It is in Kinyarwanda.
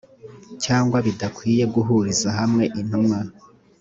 cyangwa bidakwiye guhuriza hamwe intumwa